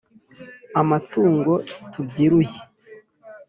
Amatungo tubyiruye